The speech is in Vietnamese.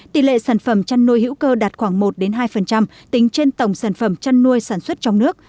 tỷ lệ sản phẩm chăn nuôi hữu cơ đạt khoảng một hai tính trên tổng sản phẩm chăn nuôi sản xuất trong nước